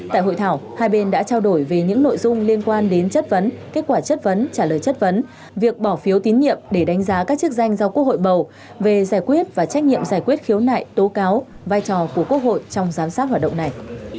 tại hội thảo hai bên đã trao đổi về những nội dung liên quan đến chất vấn kết quả chất vấn trả lời chất vấn việc bỏ phiếu tín nhiệm để đánh giá các chức danh do quốc hội bầu về giải quyết và trách nhiệm giải quyết khiếu nại tố cáo vai trò của quốc hội trong giám sát hoạt động này